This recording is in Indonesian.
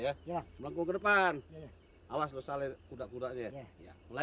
ya bangku ke depan awas lo salah kuda kuda aja mulai ya eh eh eh eh eh eh eh eh eh eh eh